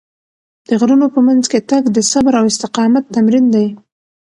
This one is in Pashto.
د غرونو په منځ کې تګ د صبر او استقامت تمرین دی.